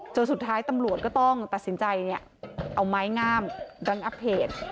จนสุดท้ายตำรวจก็ต้องตัดสินใจเอาไม้งามดันอัพเพจ